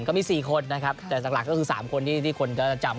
ก็มี๔คนนะครับแต่หลักก็คือ๓คนที่คนก็จะจำ